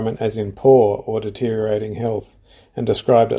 dengan kesehatan yang kecil atau berkembang